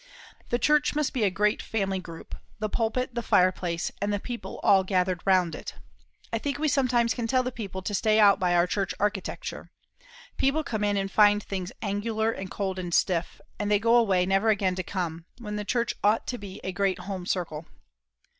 The Church must be a great family group the pulpit the fireplace, the people all gathered around it. I think we sometimes can tell the people to stay out by our church architecture. People come in and find things angular and cold and stiff, and they go away never again to come; when the church ought to be a great home circle.